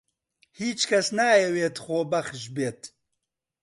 هیچ کەس نایەوێت خۆبەخش بێت.